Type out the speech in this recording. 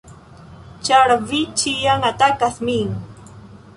Ĉar vi ĉiam atakas min!